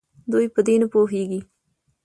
دوي په دې نپوهيږي